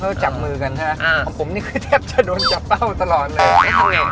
เขาจับมือกันใช่ไหมของผมนี่คือแทบจะโดนจับเป้าตลอดเลย